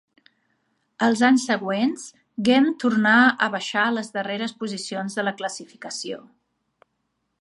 Els anys següents, Ghent tornar a baixar a les darreres posicions de la classificació.